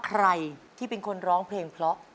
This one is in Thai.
ใครที่เป็นคนร้องเพลงเพราะ